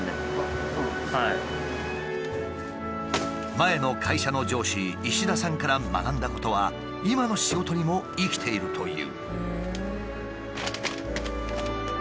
前の会社の上司石田さんから学んだことは今の仕事にも生きているという。